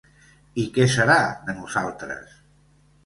I què serà de nosaltres?